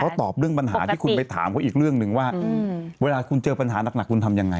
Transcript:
เขาตอบเรื่องปัญหาที่คุณไปถามเขาอีกเรื่องหนึ่งว่าเวลาคุณเจอปัญหานักคุณทำยังไง